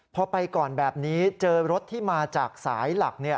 พอไปก่อนแบบนี้เจอรถที่มาจากสายหลัก